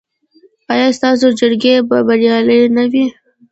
ایا ستاسو جرګې به بریالۍ نه وي؟